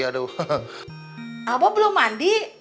abah belum mandi